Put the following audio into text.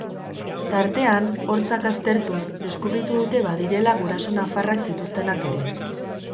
Tartean, hortzak aztertuz, deskubritu dute badirela guraso nafarrak zituztenak ere.